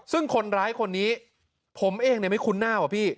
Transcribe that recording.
ซึ่งคนร้ายคนนี้ผมเองไม่คุ้นหน้าว่ะพี่